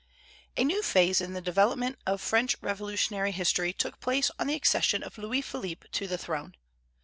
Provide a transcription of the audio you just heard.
A new phase in the development of French revolutionary history took place on the accession of Louis Philippe to the throne.